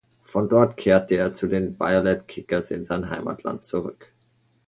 Von dort kehrte er zu den Violet Kickers in sein Heimatland zurück.